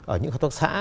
ở những khoa thuật xã